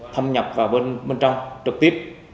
thâm nhập vào bên trong trực tiếp